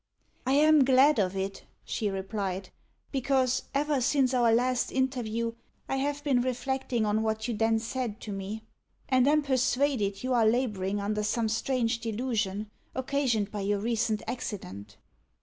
"I am glad of it," she replied; "because, ever since our last interview, I have been reflecting on what you then said to me, and am persuaded you are labouring under some strange delusion, occasioned by your recent accident."